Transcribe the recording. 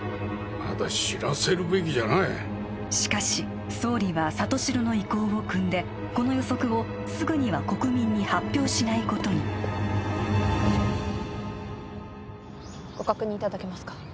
まだ知らせるべきじゃないしかし総理は里城の意向をくんでこの予測をすぐには国民に発表しないことにご確認いただけますか？